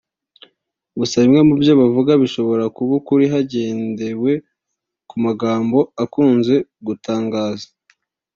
gusa bimwe mu byo bavuga bishobora kuba ukuri hagendewe ku magambo akunze gutangaza